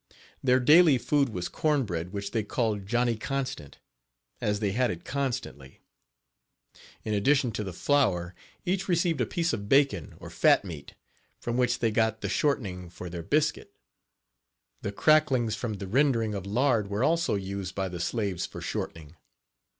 Their daily food was corn bread, which they called "Johnny Constant," as they had it constantly. In addition to the flour each received a piece of bacon or fat meat, from which they got the shortening for their biscuit. Page 16 The cracklings from the rendering of lard were also used by the slaves for shortening.